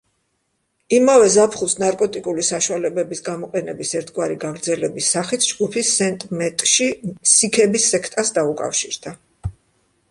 იმავე ზაფხულს, ნარკოტიკული საშუალებების გამოყენების ერთგვარი გაგრძელების სახით, ჯგუფი სენტ მეტში სიქების სექტას დაუკავშირდა.